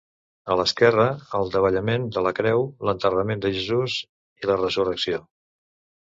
A l'esquerra, el davallament de la Creu, l'enterrament de Jesús i la resurrecció.